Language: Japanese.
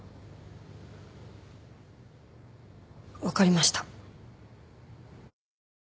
分かりました。